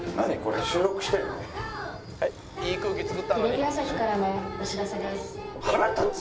「テレビ朝日からのお知らせです」